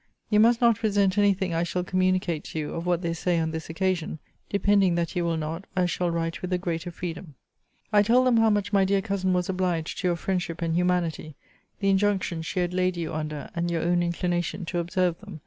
You must not resent any thing I shall communicate to you of what they say on this occasion: depending that you will not, I shall write with the greater freedom. I told them how much my dear cousin was obliged to your friendship and humanity: the injunctions she had laid you under, and your own inclination to observe them.